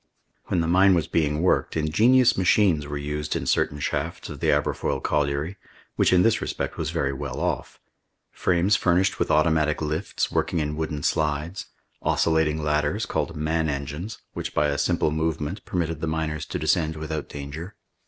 When the mine was being worked, ingenious machines were used in certain shafts of the Aberfoyle colliery, which in this respect was very well off; frames furnished with automatic lifts, working in wooden slides, oscillating ladders, called "man engines," which, by a simple movement, permitted the miners to descend without danger.